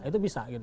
itu bisa gitu